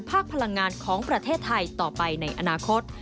พลังงานของประเทศไทยต่อไปในอนาคต